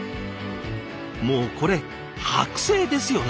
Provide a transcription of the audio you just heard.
もうこれ剥製ですよね。